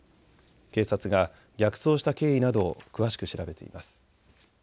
警察が逆走した経緯などを詳しく調べています。